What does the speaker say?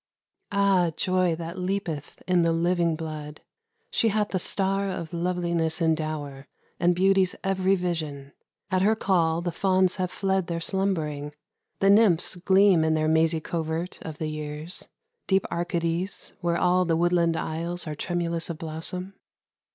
Ah joy that leapeth in the living blood! She hath the star of loveliness in dow'r, And Beauty's every vision. At her call, The fauns have fled their slumbering, the nymphs Gleam in their mazy covert of the years, Deep Arcadies, where all the woodland aisles Are tremulous of blossom.